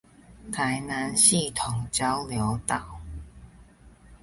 台南系統交流道